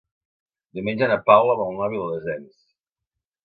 Diumenge na Paula vol anar a Viladasens.